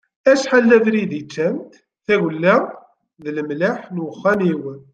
Acḥal d abrid i ččant tagella d lemleḥ n uxxam-iw.